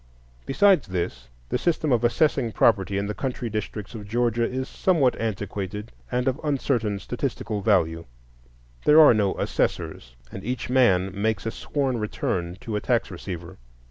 Besides this, the system of assessing property in the country districts of Georgia is somewhat antiquated and of uncertain statistical value; there are no assessors, and each man makes a sworn return to a tax receiver.